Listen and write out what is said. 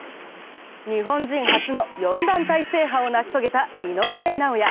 日本人初の４団体制覇を成し遂げた井上尚弥。